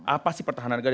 apa sih pertahanan negara